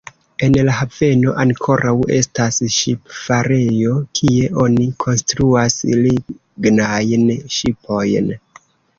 En la haveno ankoraŭ estas ŝipfarejo kie oni konstruas lignajn ŝipojn.